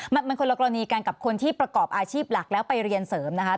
มันคนละกรณีกันกับคนที่ประกอบอาชีพหลักแล้วไปเรียนเสริมนะคะ